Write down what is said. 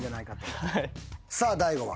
さあ大悟は？